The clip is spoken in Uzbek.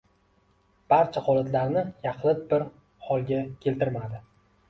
Barcha holatlarni yaxlit bir holga keltirmadi.